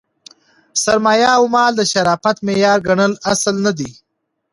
سرمایه او مال د شرافت معیار ګڼل اصل نه دئ.